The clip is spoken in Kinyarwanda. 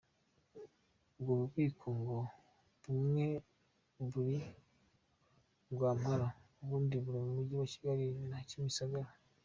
Ubwo bubiko ngo bumwe buri Rwampara, ubundi mu mugi wa Kigali na Kimisagara.